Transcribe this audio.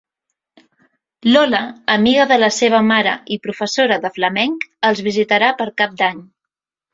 Lola, amiga de la seva mare i professora de flamenc els visitarà per cap d'any.